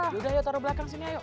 sudah ya taruh belakang sini ayo